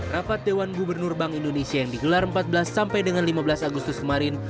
rapat dewan gubernur bank indonesia yang digelar empat belas sampai dengan lima belas agustus kemarin